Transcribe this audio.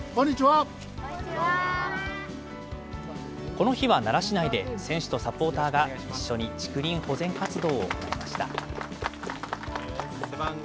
この日は奈良市内で、選手とサポーターが一緒に竹林保全活動を行いました。